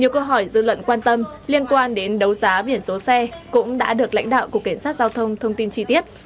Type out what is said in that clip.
cơ quan đến đấu giá biển số xe cũng đã được lãnh đạo của kiểm soát giao thông thông tin chi tiết